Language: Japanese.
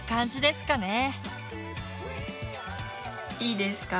いいですか？